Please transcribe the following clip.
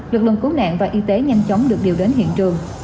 lực lượng cứu nạn và y tế nhanh chóng được điều đến hiện trường